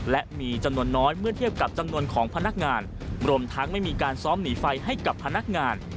และมีจำนวนน้อยเมื่อเทียบกับจำนวนของพนักงานรวมทั้งไม่มีการซ้อมหนีไฟให้กับพนักงาน